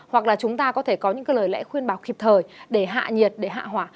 hoặc là chúng ta có thể có những lời lẽ khuyên bảo kịp thời để hạ nhiệt để hạ hỏa